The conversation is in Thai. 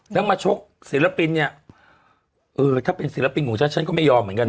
แล้วมาชกศิลปินเนี่ยเออถ้าเป็นศิลปินของฉันฉันก็ไม่ยอมเหมือนกัน